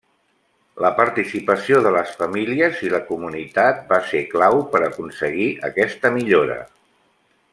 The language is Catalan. La participació de les famílies i la comunitat va ser clau per aconseguir aquesta millora.